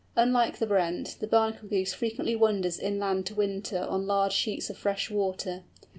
Unlike the Brent, the Bernacle Goose frequently wanders inland to winter on large sheets of fresh water.